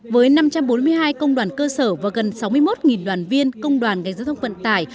với năm trăm bốn mươi hai công đoàn cơ sở và gần sáu mươi một đoàn viên công đoàn ngành giao thông vận tải